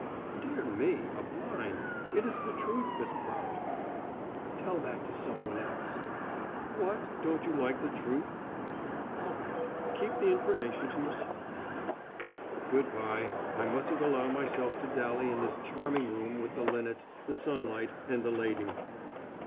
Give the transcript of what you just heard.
"Dear me! A blind.... It is the truth, Miss Prout." "Tell that to someone else." "What, don't you like the truth?" "All right, keep the information to yourself, then." "Good by I mustn't allow myself to dally in this charming room with the linnets, the sunlight, and the lady."